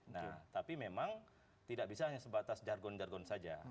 nah tapi memang tidak bisa hanya sebatas jargon jargon saja